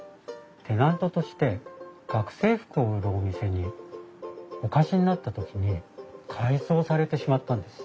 テナントとして学生服を売るお店にお貸しになった時に改装されてしまったんです。